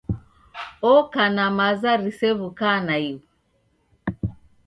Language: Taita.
Oka na maza risew'uka naighu.